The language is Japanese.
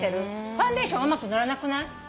ファンデーションうまくのらなくない？